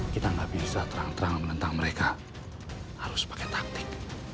kita nggak bisa terang terang menentang mereka harus pakai taktik